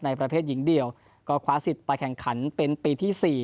ประเภทหญิงเดียวก็คว้าสิทธิ์ไปแข่งขันเป็นปีที่๔